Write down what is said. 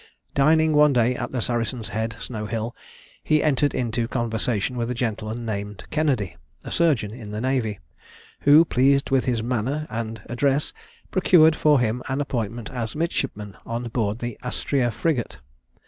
Dining one day at the Saracen's Head, Snow Hill, he entered into conversation with a gentleman named Kennedy, a surgeon in the navy, who, pleased with his manner and address, procured for him an appointment as midshipman on board the Astrea frigate.